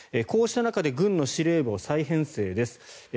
こうした中で軍の司令部を再編成です。